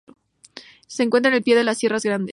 Se encuentra al pie de las Sierras Grandes.